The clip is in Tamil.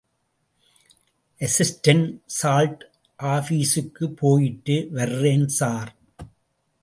அஸிஸ்டெண்ட் சால்ட் ஆபீசுக்குப் போயிட்டு வர்றேன் ஸார்.